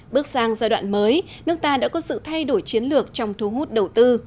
bước sang giai đoạn mới nước ta đã có sự thay đổi chiến lược trong thu hút đầu tư